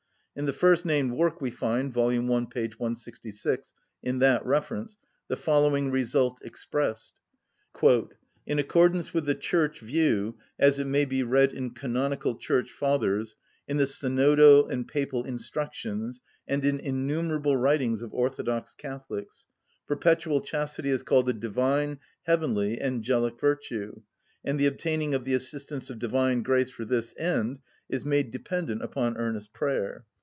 In the first‐named work we find, vol. i. p. 166, in that reference, the following result expressed: "In accordance with the Church view, as it may be read in canonical Church Fathers, in the Synodal and Papal instructions, and in innumerable writings of orthodox Catholics, perpetual chastity is called a divine, heavenly, angelic virtue, and the obtaining of the assistance of divine grace for this end is made dependent upon earnest prayer.